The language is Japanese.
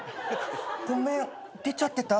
ごめん出ちゃってた？